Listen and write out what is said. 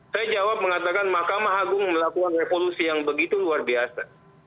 saya jawab mengatakan mahkamah agung melakukan revolusi yang begitu luar biasa